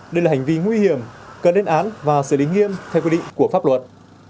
đây là hành vi nguy hiểm cần đến án và xử lý nghiêm theo quy định của pháp luật